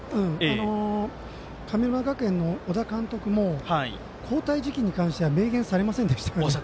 神村学園の小田監督も交代時期に関しては明言されませんでしたから。